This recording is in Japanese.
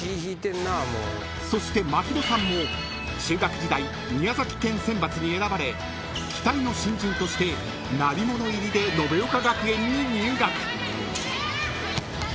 ［そして舞尋さんも中学時代宮崎県選抜に選ばれ期待の新人として鳴り物入りで延岡学園に入学］